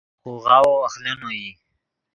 خوغاوو اخلینو ای